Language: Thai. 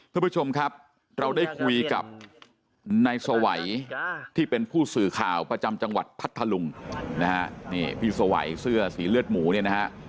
คุณผู้ชมครับเราได้คุยกับนายสวัยที่เป็นผู้สื่อข่าวประจำจังหวัดพัทธลุงนะฮะนี่พี่สวัยเสื้อสีเลือดหมูเนี่ยนะฮะ